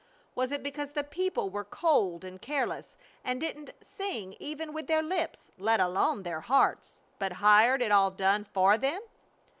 Was it because the people were cold and careless and didn't sing even with their lips, let alone their hearts, but hired it all done for them?